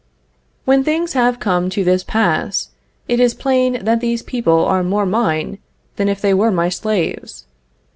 When things have come to this pass, it is plain that these people are more mine than if they were my slaves.